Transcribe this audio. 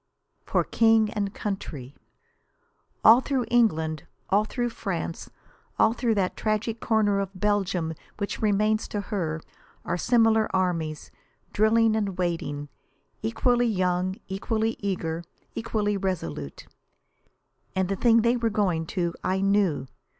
For King and Country! All through England, all through France, all through that tragic corner of Belgium which remains to her, are similar armies, drilling and waiting, equally young, equally eager, equally resolute. And the thing they were going to I knew.